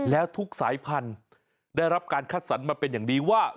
แล้วทุกสายพันธุ์ได้รับการคัดสรรมาเป็นอย่างดีว่า